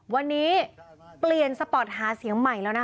วันนี้เปลี่ยนสปอร์ตหาเสียงใหม่แล้วนะคะ